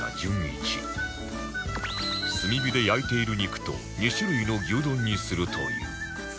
炭火で焼いている肉と２種類の牛丼にするという